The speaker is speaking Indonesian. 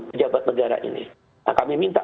ke jabat negara ini nah kami minta